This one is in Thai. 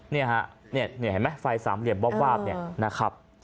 นี่ฮะเห็นไหมไฟสามเหลี่ยมวาบเนี่ยนะครับ